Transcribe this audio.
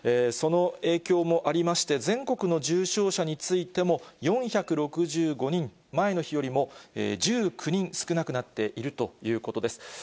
その影響もありまして、全国の重症者についても４６５人、前の日よりも１９人少なくなっているということです。